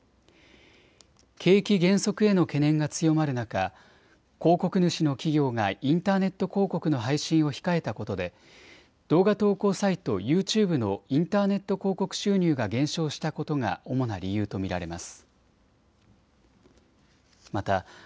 景気減速への懸念が強まる中、広告主の企業がインターネット広告の配信を控えたことで動画投稿サイト、ユーチューブのインターネット広告収入が減少したことが主な理由と見られます。